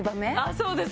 そうです。